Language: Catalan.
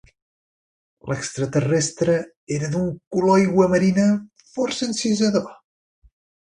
L'extraterrestre era d'un color aiguamarina força encisador.